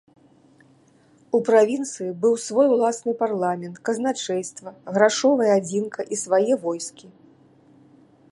У правінцыі быў свой уласны парламент, казначэйства, грашовая адзінка і свае войскі.